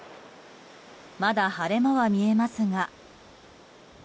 まだ晴れ間は見えますが。